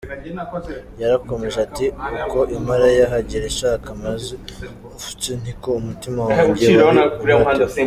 Yarakomeje ati "uko impara yahagira ishaka amazi afutse ni ko umutima wanjye wari unyotewe.